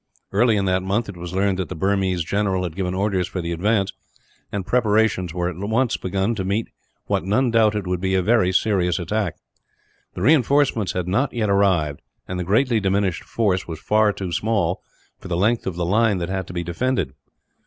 Early in that month it was learned that the Burmese general had given orders for the advance, and preparations were at once begun to meet what none doubted would be a very serious attack. The reinforcements had not yet arrived, and the greatly diminished force was far too small for the length of the line that had to be defended.